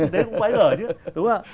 đấy cũng quái gỡ chứ đúng không ạ